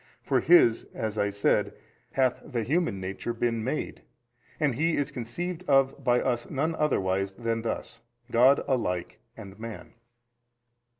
For His (as I said) hath the human nature been made, and He is conceived of by us none otherwise than thus, God alike and man.